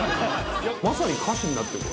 まさに歌詞になって行く。